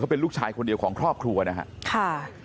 เป็นลูกชายคนเดียวของครอบครัวนะครับ